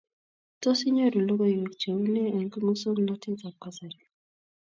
Tos, inyooru logoiyweek cheu nee eng musoknatetab kasari.